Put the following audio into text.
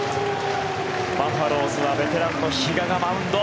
バファローズはベテランの比嘉がマウンド。